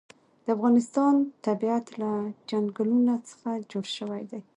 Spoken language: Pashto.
د افغانستان طبیعت له چنګلونه څخه جوړ شوی دی.